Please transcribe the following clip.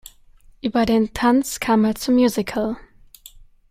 Über den Tanz kam er zum Musical.